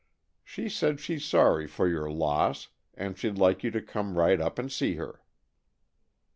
She said she's sorry for your loss, and she'd like you to come right up and see her."